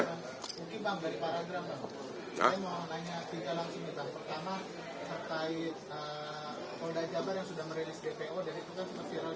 mungkin pak dari para agama